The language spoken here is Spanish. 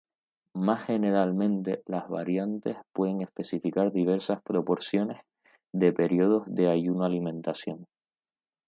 Más generalmente, las variantes pueden especificar diversas proporciones de periodos de ayuno-alimentación.